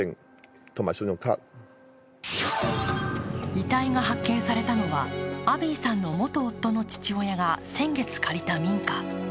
遺体が発見されたのはアビーさんの元夫の父親が先月借りた民家。